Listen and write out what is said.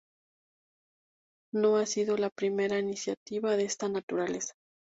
No ha sido la primera iniciativa de esta naturaleza.